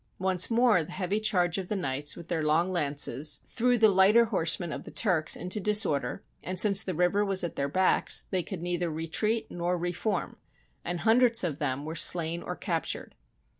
Once more the heavy charge of the knights with their long lances threw the THE BOOK OF FAMOUS SIEGES lighter horsemen of the Turks into disorder, and since the river was at their backs, they could neither retreat nor re form, and hundreds of them were slain or captured.